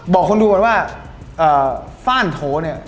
บอกคนดูก่อนว่าฟ่านโถเนี่ย